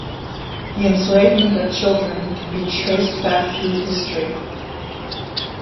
The enslavement of children can be traced back through history.